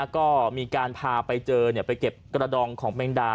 ก็มีการพาไปเจอไปเก็บกระดองของแมงดา